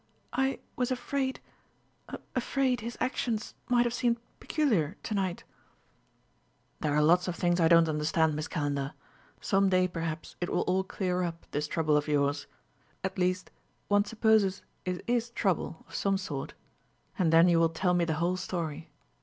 "I was afraid afraid his actions might have seemed peculiar, to night ..." "There are lots of things I don't understand, Miss Calendar. Some day, perhaps, it will all clear up, this trouble of yours. At least, one supposes it is trouble, of some sort. And then you will tell me the whole story....